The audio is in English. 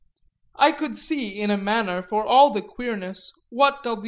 I could see in a manner, for all the queerness, what W.